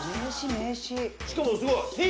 しかもすごい。